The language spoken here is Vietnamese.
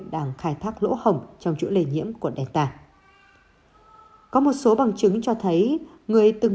đang khai thác lỗ hổng trong chuỗi lây nhiễm của delta có một số bằng chứng cho thấy người từng